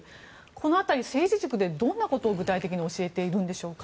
この辺り、政治塾でどんなことを具体的に教えているんでしょうか。